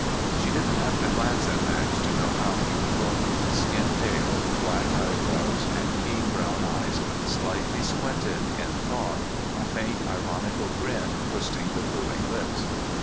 She didn't have to glance at Max to know how he would look skin pale, black eyebrows and keen brown eyes slightly squinted in thought, a faint ironical grin twisting the bluing lips.